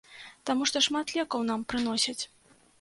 Таму шмат лекаў нам прыносяць.